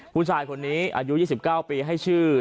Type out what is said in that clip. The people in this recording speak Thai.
ผู้ชายคนนี้อายุ๒๙ปีให้ชื่อ